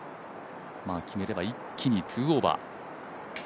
決めれば一気に２オーバー。